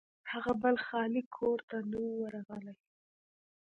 هغه بل خالي کور ته نه و ورغلی.